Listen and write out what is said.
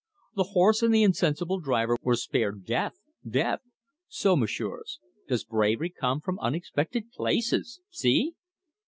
The horse and the insensible driver were spared death death. So, Messieurs, does bravery come from unexpected places see?"